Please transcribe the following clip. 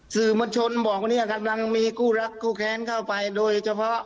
สื่อมวลชนบอกว่าเนี่ยกำลังมีคู่รักคู่แค้นเข้าไปโดยเฉพาะ